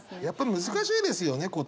やっぱり難しいですよね